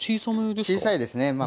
小さいですね。